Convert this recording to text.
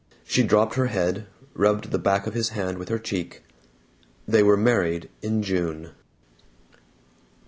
She dropped her head, rubbed the back of his hand with her cheek. They were married in June.